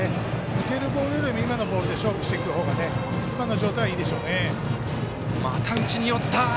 抜けるボールよりも今のボールで勝負していく方が今の状態はいいでしょうね。